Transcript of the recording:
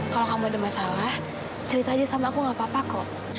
kalau kamu ada masalah cerita aja sama aku gak apa apa kok